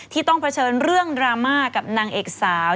ต้องเผชิญเรื่องดราม่ากับนางเอกสาว